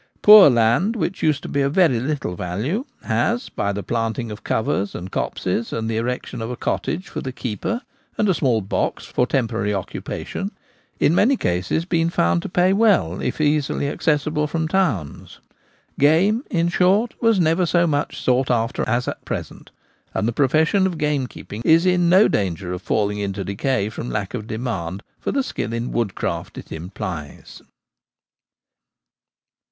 Poor land which used to be of very little value has, by the planting of covers and copses and the erection of a cottage for the keeper and a small 'box ' for temporary occupation, in many cases been found to pay well if easily accessible from towns. Game, in short, was never so much sought after as at present ; and the profession of gamekeeping is in no danger of falling into decay from lack of demand for the skill in woodcraft it implies.